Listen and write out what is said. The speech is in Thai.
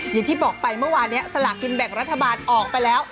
อย่างที่บอกไปเมื่อวานนี้สลากกินแบ่งรัฐบาลออกไปแล้ว